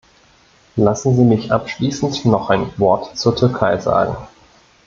Lassen Sie mich abschließend noch ein Wort zur Türkei sagen.